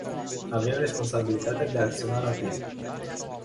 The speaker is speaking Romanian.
Avem responsabilitatea de a acționa rapid.